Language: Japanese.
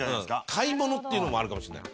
買い物っていうのもあるかもしれない。